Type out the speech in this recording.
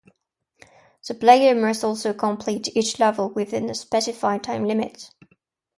The player must also complete each level within a specified time limit.